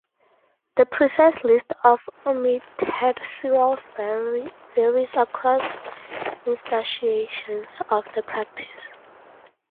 The precise list of omitted cereals varies across instantiations of the practice.